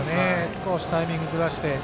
少しタイミングずらして。